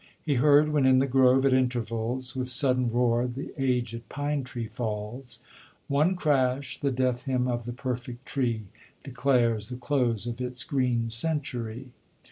He heard, when in the grove, at intervals With sudden roar the aged pine tree falls, One crash, the death hymn of the perfect tree, Declares the close of its green century.